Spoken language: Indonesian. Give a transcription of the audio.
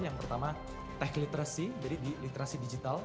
yang pertama tech literacy jadi di literasi digital